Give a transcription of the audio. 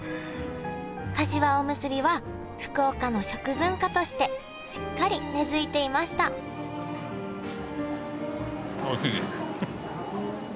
かしわおむすびは福岡の食文化としてしっかり根づいていましたおいしいです！